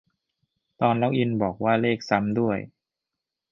ตอนล็อกอิน บอกว่าเลขซ้ำด้วย